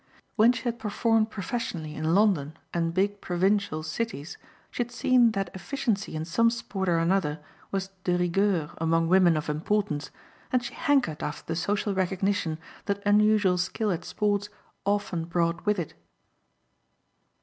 When she had performed professionally in London and big provincial cities she had seen that efficiency in some sport or another was de rigueur among women of importance and she hankered after the social recognition that unusual skill at sports often brought with it.